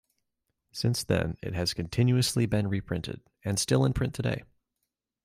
Since then, it has continuously been reprinted and still in print today.